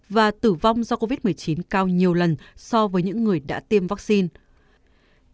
và tử vong do covid một mươi chín cao nhiều lần so với những người đã tiêm vaccine